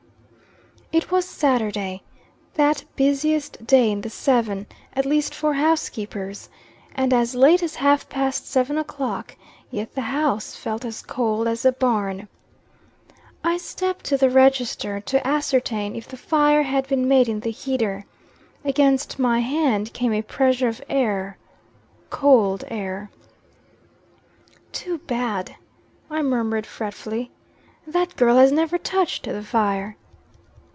It was Saturday that busiest day in the seven; at least for housekeepers and as late as half past seven o'clock, yet the house felt as cold as a barn. I stepped to the register to ascertain if the fire had been made in the heater. Against my hand came a pressure of air cold air. "Too bad!" I murmured fretfully, "that girl has never touched the fire."